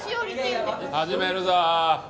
始めるぞ。